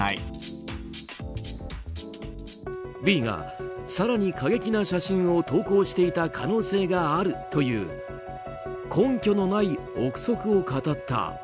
Ｖが更に過激な写真を投稿していた可能性があるという根拠のない憶測を語った。